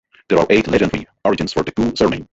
There are eight legendary origins for the Guo surname.